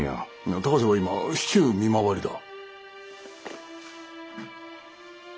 高瀬は今市中見回りだ。